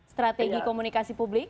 strategi komunikasi publik